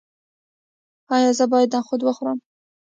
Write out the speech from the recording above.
ایا زه باید نخود وخورم؟